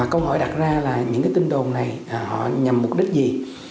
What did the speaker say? câu hỏi đặt ra là những tin đồn này nhằm mục đích gì